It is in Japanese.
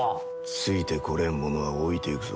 ついてこれん者は置いていくぞ。